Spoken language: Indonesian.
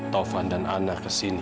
taufan dan ana ke sini